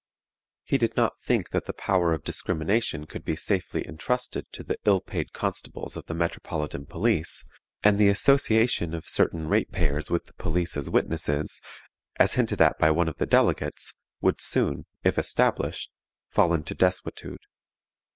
He did not think that the power of discrimination could be safely intrusted to the ill paid constables of the Metropolitan Police, and the association of certain rate payers with the police as witnesses, as hinted at by one of the delegates, would soon, if established, fall into desuetude.